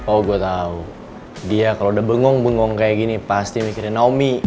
oh gue tau dia kalau udah bengong bengong kayak gini pasti mikirin naomi